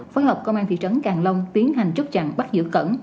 phối hợp công an thị trấn càng long tiến hành rút chặn bắt giữ cẩn